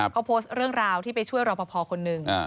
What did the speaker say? เขาโพสต์เรื่องราวที่ไปช่วยรอปภคนหนึ่ง